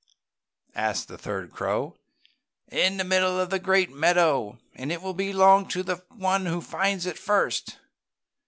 asked the third crow. "In the middle of the great meadow, and it will belong to the one who finds it first!"